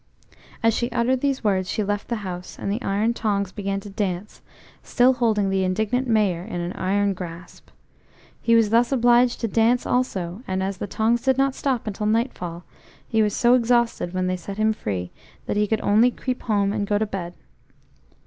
As she uttered these words she left the house, and the iron tongs began to dance, still holding the indignant Mayor in an iron grasp. He was thus obliged to dance also, and as the tongs did not stop until nightfall, he was so exhausted when they set him free that he could only creep home and go to bed.